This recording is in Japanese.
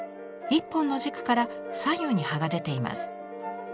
１本の軸から左右に葉が出ています。